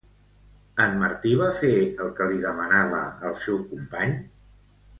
En Martí va fer el que li demanava el seu company?